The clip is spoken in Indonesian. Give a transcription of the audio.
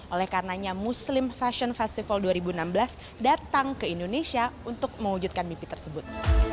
oleh karenanya muslim fashion festival dua ribu enam belas datang ke indonesia untuk mewujudkan mimpi tersebut